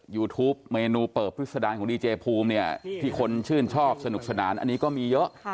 ยูทูปเมนูเปิบพฤษดารของดีเจภูมิเนี่ยที่คนชื่นชอบสนุกสนานอันนี้ก็มีเยอะ